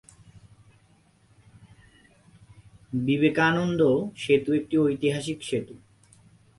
বিবেকানন্দ সেতু একটি ঐতিহাসিক সেতু।